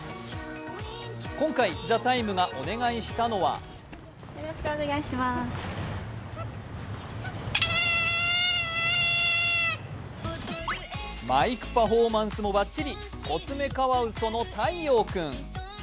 今回、「ＴＨＥＴＩＭＥ，」がお願いしたのはマイクパフォーマンスもバッチリ、コツメカワウソのたいよう君。